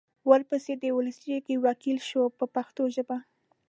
ورپسې د ولسي جرګې وکیل شو په پښتو ژبه.